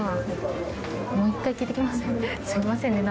すいませんね。